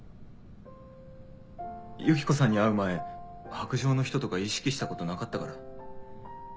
ユキコさんに会う前白杖の人とか意識したことなかったから。